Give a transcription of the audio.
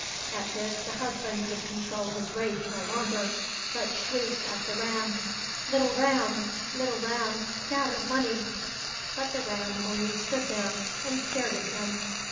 — At this the husband could control his rage no longer, but shrieked at the ram, " Little ram, little ram, scatter money !"— But the ram only stood there and stared at him.